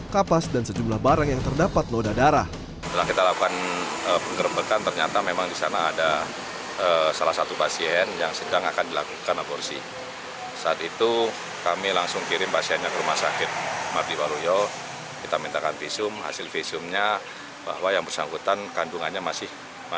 kapas dan sejumlah barang yang terdapat ludah darah